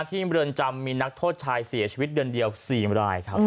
เมืองจำมีนักโทษชายเสียชีวิตเดือนเดียว๔รายครับ